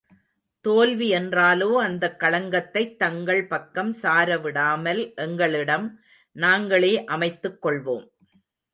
தோல்வி என்றாலோ அந்தக் களங்கத்தைத் தங்கள் பக்கம் சாரவிடாமல் எங்களிடம் நாங்களே அமைத்துக் கொள்வோம்.